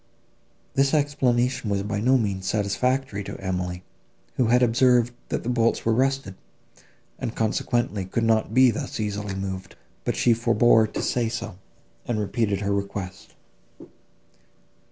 This explanation was by no means satisfactory to Emily, who had observed, that the bolts were rusted, and consequently could not be thus easily moved; but she forbore to say so, and repeated her request.